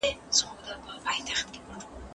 اشارو او استعارو څخه بې برخي کړو